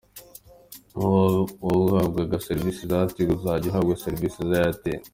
Aho wahabwaga serivisi za Tigo uzajya uhahabwa serivisi za Airtel.